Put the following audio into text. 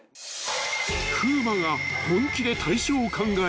［風磨が本気で退所を考えた？］